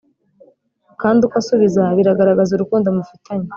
kandi uko usubiza biragaragaza urukundo mufitanye.